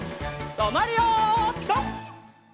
とまるよピタ！